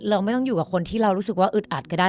เราไม่ต้องอยู่กับคนที่เรารู้สึกว่าอึดอัดก็ได้